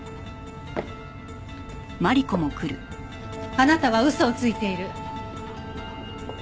あなたは嘘をついている。